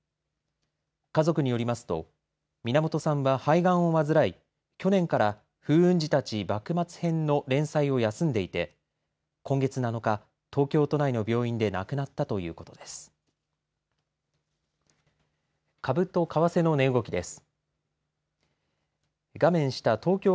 家族によりますとみなもとさんは肺がんを患い去年から風雲児たち幕末編の連載を休んでいて今月７日、東京都内の病院で亡くなったということです。